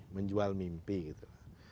menjual mimpi gitu